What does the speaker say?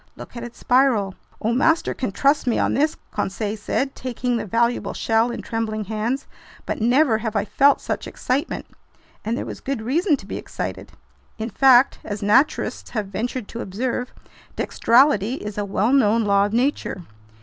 "Look at its spiral!" "Oh, master can trust me on this," Conseil said, taking the valuable shell in trembling hands, "but never have I felt such excitement!" And there was good reason to be excited! In fact, as naturalists have ventured to observe, "dextrality" is a well known law of nature.